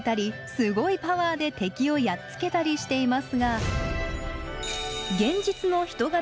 すごいパワーで敵をやっつけたりしていますが現実の人型